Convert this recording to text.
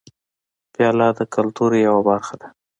پیاله د کلتور یوه برخه ده.